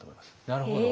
なるほど。